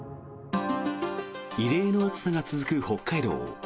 異例の暑さが続く北海道。